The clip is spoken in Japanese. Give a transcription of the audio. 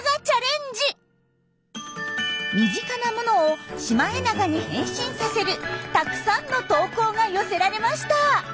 身近なものをシマエナガに変身させるたくさんの投稿が寄せられました。